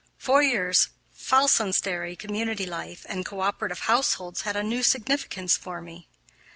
Fourier's phalansterie community life and co operative households had a new significance for me.